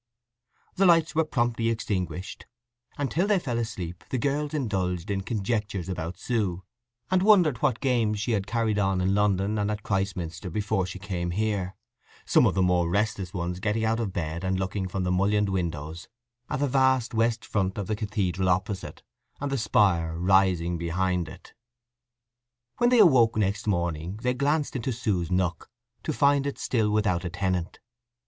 The lights were promptly extinguished, and till they fell asleep the girls indulged in conjectures about Sue, and wondered what games she had carried on in London and at Christminster before she came here, some of the more restless ones getting out of bed and looking from the mullioned windows at the vast west front of the cathedral opposite, and the spire rising behind it. When they awoke the next morning they glanced into Sue's nook, to find it still without a tenant.